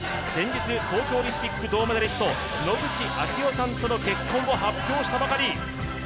先日、東京オリンピック銅メダリスト野口啓代さんとの結婚を発表したばかり。